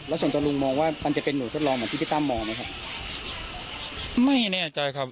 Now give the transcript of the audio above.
ส่วนตัวลุงมองว่ามันจะเป็นหนูทดลองเหมือนที่พี่ตั้มมองไหมครับไม่แน่ใจครับ